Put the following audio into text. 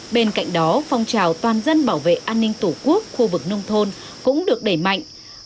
bên cạnh đó phong trào toàn dân bảo vệ an ninh tổ quốc khu vực nông thôn cũng được đẩy mạnh